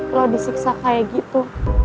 lo disiksa kayak gitu